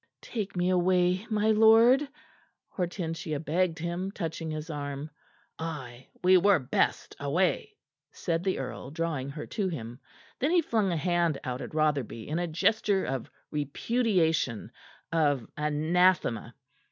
"Take me away, my lord," Hortensia begged him, touching his arm. "Aye, we were best away," said the earl, drawing her to him. Then he flung a hand out at Rotherby in a gesture of repudiation, of anathema.